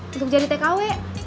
untuk jadi tkw